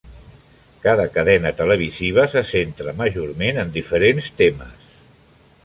Cada cadena televisiva se centra majorment en diferents temes.